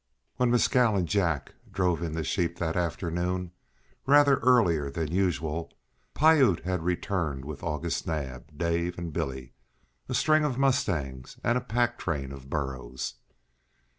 When Mescal and Jack drove in the sheep that afternoon, rather earlier than usual, Piute had returned with August Naab, Dave, and Billy, a string of mustangs and a pack train of burros.